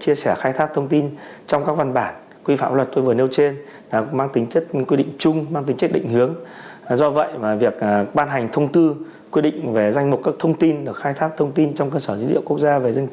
hệ thống cơ sở dữ liệu quốc gia về dân cư của bộ công an đã chính thức đi vào vận hành